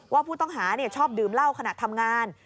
ว่าผู้ต้องหาชอบดื่มเหล้าขณะทำงาน